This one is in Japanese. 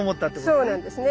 そうなんですね。